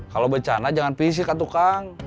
kalau bercanda jangan fisik kak tukang